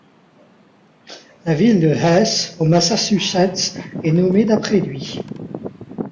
La ville de Heath, au Massachusetts, est nommée d'après lui.